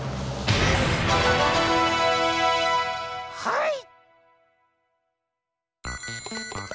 はい！